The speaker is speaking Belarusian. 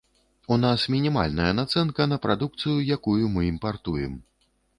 У нас мінімальная нацэнка на прадукцыю, якую мы імпартуем.